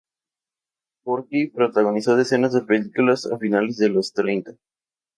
Porky protagonizó decenas de películas a finales de los años treinta.